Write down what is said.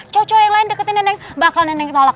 cowok cowok yang lain deketin neneng bakal neneng tolak